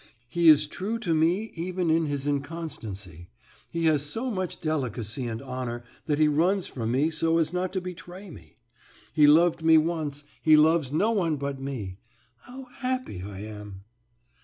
He is true to me even in his inconstancy; he has so much delicacy and honor that he runs from me so as not to betray me. He loved me once; he loves no one but me. How happy I am!"